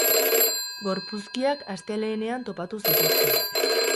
Gorpuzkiak astelehenean topatu zituzten.